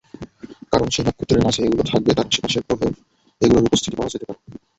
কারণ যেই নক্ষত্রের মাঝে এগুলো থাকবে তার আশেপাশের গ্রহেও এগুলোর উপস্থিতি পাওয়া যেতে পারে।